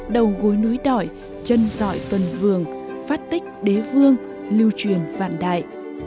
đầu gối núi đỏ chân dọi tuần vườn phát tích đế vương lưu truyền vạn đại